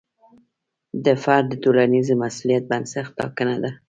د فرد د ټولنیز مسوولیت بنسټ ټاکنه ده.